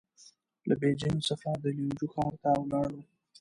له بېجينګ څخه د ليوجو ښار ته ولاړو.